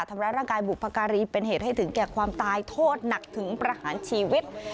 ทำร้ายร่างกายบุพการีเป็นเหตุให้ถึงแก่ความตายโทษหนักถึงประหารชีวิต